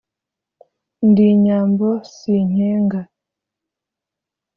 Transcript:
ndi nyambo sinkenga,